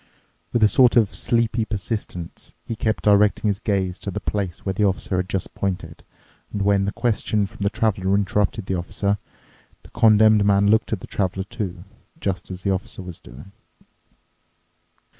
With a sort of sleepy persistence he kept directing his gaze to the place where the Officer had just pointed, and when the question from the Traveler interrupted the Officer, the Condemned Man looked at the Traveler, too, just as the Officer was doing.